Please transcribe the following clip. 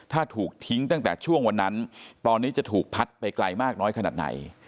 ถ้าถูกทิ้งตั้งแต่ช่วงวันนั้นตอนนี้จะถูกพัดไปไกลมากน้อยขนาดไหน